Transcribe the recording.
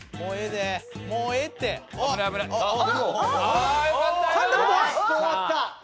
ああよかったよ！